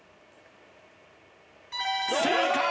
正解！